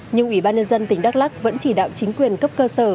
nhưng ủy ban nhân dân tỉnh đắk lắc vẫn chỉ đạo chính quyền cấp cơ sở